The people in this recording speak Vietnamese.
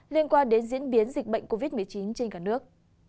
liên quan đến diễn biến dịch bệnh covid một mươi chín trên cả nước